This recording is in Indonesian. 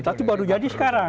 tapi baru jadi sekarang